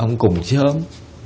dạ ông cùng sớm